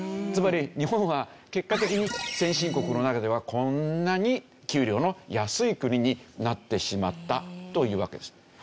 つまり日本は結果的に先進国の中ではこんなに給料の安い国になってしまったというわけです。